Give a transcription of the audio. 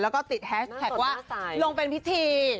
แล้วก็ติดแฮชแท็กว่าลงเป็นพิธี